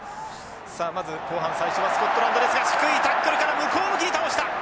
さあまず後半最初はスコットランドですが低いタックルから向こう向きに倒した！